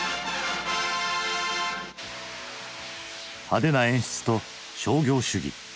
派手な演出と商業主義。